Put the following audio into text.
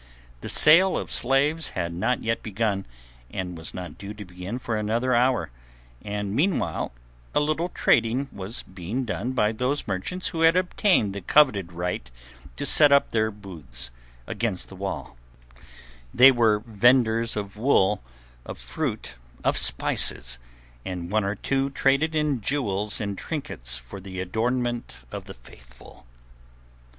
The sale of slaves had not yet begun and was not due to begin for another hour, and meanwhile a little trading was being done by those merchants who had obtained the coveted right to set up their booths against the walls; they were vendors of wool, of fruit, of spices, and one or two traded in jewels and trinkets for the adornment of the Faithful.